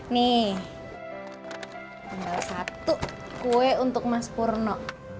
nih tinggal satu kue untuk mas purno